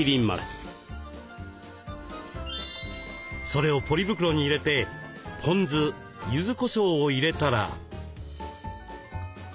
それをポリ袋に入れてポン酢ゆずこしょうを入れたら。